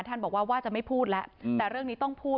บอกว่าว่าจะไม่พูดแล้วแต่เรื่องนี้ต้องพูด